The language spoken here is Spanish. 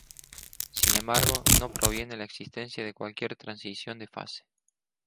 Sin embargo, no previene la existencia de cualquier transición de fase.